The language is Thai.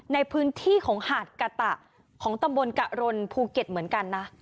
ในพื้นที่ของหาดกะตะของตำบลกะรนภูเก็ตเหมือนกันนะ